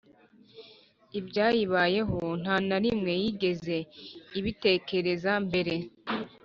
ibyayibayeho, nta na rimwe yigeze ibitekereza mbere;